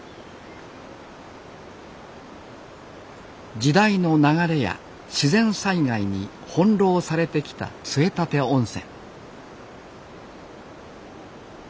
時代の流れや自然災害に翻弄されてきた杖立温泉